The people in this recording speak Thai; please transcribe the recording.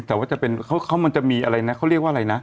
แต่ว่ามันจะเป็นมีอะไรน่ะเขาเรียกว่าอะไรน่ะ